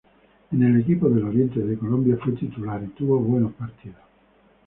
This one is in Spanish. En el equipo del oriente de Colombia, fue titular y tuvo buenos partidos.